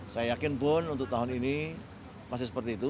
saya yakin pun untuk tahun ini masih seperti itu